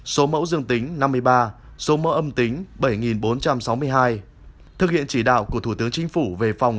số mẫu dương tính năm mươi ba số mẫu âm tính bảy bốn trăm sáu mươi hai thực hiện chỉ đạo của thủ tướng chính phủ về phòng